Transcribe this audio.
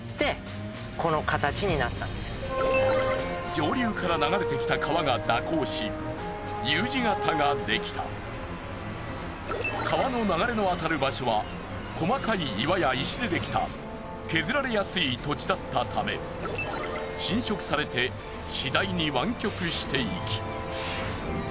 上流から流れてきた川の流れの当たる場所は細かい岩や石でできた削られやすい土地だったため侵食されて次第に湾曲していき。